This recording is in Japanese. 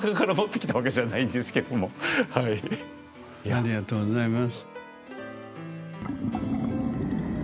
ありがとうございます。